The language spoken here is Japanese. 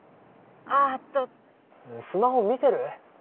ああっとスマホ見てる？